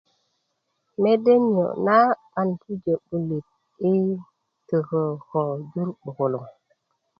mede niyo na 'ban pujö 'bulit i tökö ko jur 'bukuluŋ